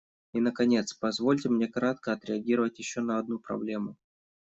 И наконец, позвольте мне кратко отреагировать еще на одну проблему.